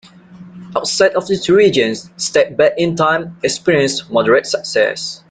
Outside of these regions, "Step Back in Time" experienced moderate success.